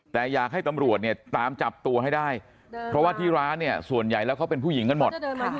แต่อยากให้ตำรวจเนี่ยตามจับตัวให้ได้เพราะว่าที่ร้านเนี่ยส่วนใหญ่แล้วเขาเป็นผู้หญิงกันหมด